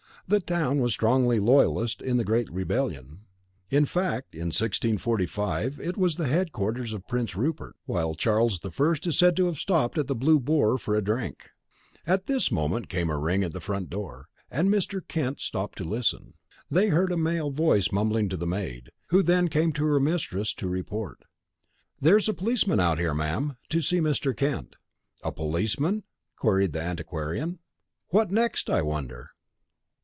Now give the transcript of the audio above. The town was strongly loyalist in the great rebellion; in fact, in 1645 it was the headquarters of Prince Rupert, while Charles the First is said to have stopped at the Blue Boar for a drink " At this moment came a ring at the front door, and Mr. Kent stopped to listen. They heard a male voice mumbling to the maid, who then came to her mistress to report. "There's a policeman out here, ma'am, to see Mr. Kent." "A policeman?" queried the antiquarian. "What next, I wonder?